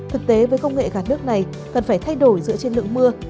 thực tế với công nghệ gạt nước này cần phải thay đổi dựa trên lượng mưa